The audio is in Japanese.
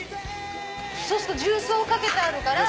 そうすると重曹かけてあるから。